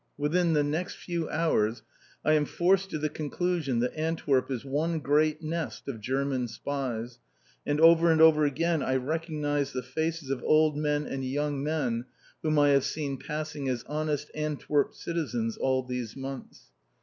Within the next few hours I am forced to the conclusion that Antwerp is one great nest of German spies, and over and over again I recognised the faces of old men and young men whom I have seen passing as honest Antwerp citizens all these months.